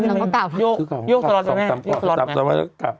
แล้วก็ทีนี้โยกสล็อตนะแม่